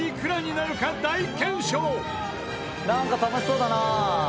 なんか楽しそうだな！